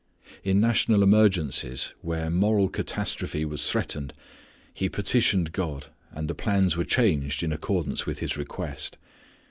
In national emergencies where moral catastrophe was threatened he petitioned God and the plans were changed in accordance with his request.